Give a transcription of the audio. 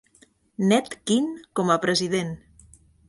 "Ned" Quinn com a president.